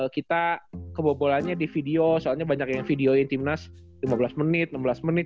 kita kebobolannya di video soalnya banyak yang videoin timnas lima belas menit enam belas menit